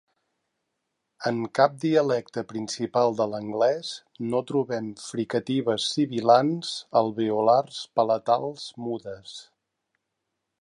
En cap dialecte principal de l'anglès no trobem fricatives sibilants alveolars palatals mudes.